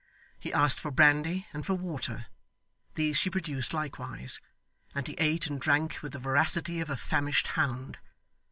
He asked for brandy, and for water. These she produced likewise; and he ate and drank with the voracity of a famished hound.